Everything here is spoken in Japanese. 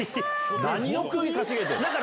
何を首かしげてんだ！